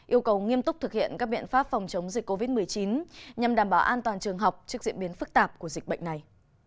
yêu cầu nghiêm túc thực hiện các biện pháp phòng chống dịch covid một mươi chín nhằm đảm bảo an toàn trường học trước diễn biến phức tạp của dịch bệnh này